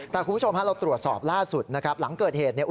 แต่คุณผู้ชมฮะเราตรวจสอบล่าสุดนะครับหลังเกิดเหตุเนี่ย